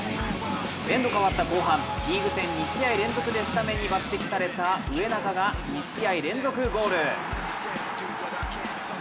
エンド変わった後半、リーグ戦２試合連続でスタメンに抜てきされた植中が２試合連続ゴール。